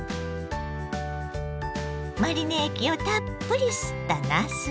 マリネ液をたっぷり吸ったなす。